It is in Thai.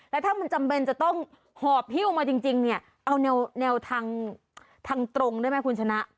แล้วถ้ามันจำเป็นจะต้องหอบฮิ้วมาจริงเนี่ยเอาแนวทางตรงได้ไหมคุณชนะ